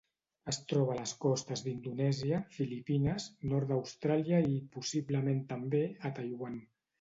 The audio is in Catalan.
Es troba a les costes d'Indonèsia, Filipines, nord d'Austràlia i, possiblement també, a Taiwan.